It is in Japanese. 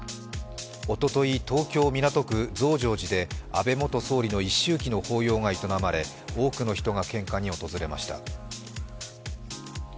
おととい、東京・港区増上寺で安倍元総理の一周忌の法要が営まれ、多くの人が献花に訪れました。